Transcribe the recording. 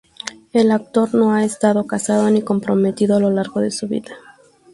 El actor no ha estado casado ni comprometido a lo largo de su vida.